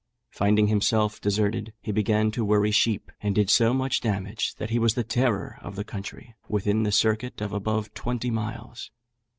Finding himself deserted, he began to worry sheep, and did so much damage that he was the terror of the country, within the circuit of above twenty miles.